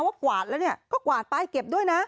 กวาดแล้วเนี่ยก็กวาดไปเก็บด้วยนะ